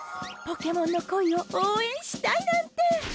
ポケモンの恋を応援したいなんて！